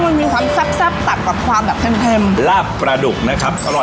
มันมีความแซ่บแซ่บแตดกับความแบบเท็มเท็มลาบประดุกนะครับอร่อย